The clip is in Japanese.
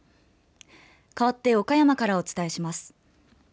かわって岡山からお伝えします。